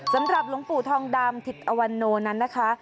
สำหรับหลวงปู่ทองดำถิตอวันโนนั้นนะคะ